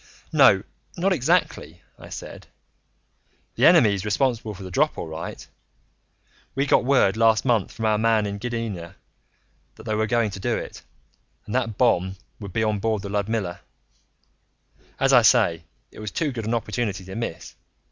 "No, not exactly," I said. "The enemy's responsible for the drop, all right. We got word last month from our man in Gdynia that they were going to do it, and that the bomb would be on board the Ludmilla. As I say, it was too good an opportunity to miss.